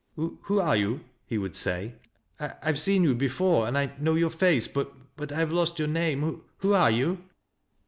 " Who are you ?" he would say. " I have seen you before, and I know your face ; but — ^but I have lost youi name. Who are you